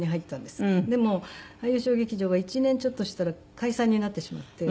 でも俳優小劇場が１年ちょっとしたら解散になってしまって。